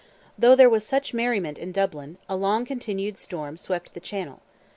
Though there was such merriment in Dublin, a long continued storm swept the channel.